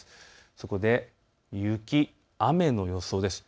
そこで雪、雨の予想です。